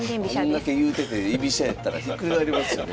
あんだけ言うてて居飛車やったらひっくり返りますよね。